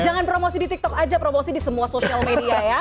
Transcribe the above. jangan promosi di tiktok aja promosi di semua sosial media ya